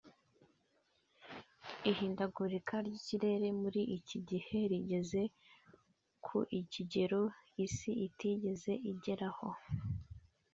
Ihindagurika ry’ikirere muri iki gihe rigeze ku kigero isi itigeze igeraho